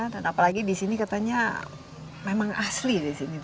dan apalagi disini katanya memang asli disini